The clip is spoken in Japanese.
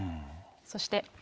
そして。